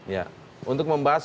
ya untuk membahas